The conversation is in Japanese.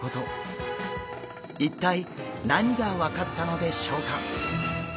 一体何が分かったのでしょうか！？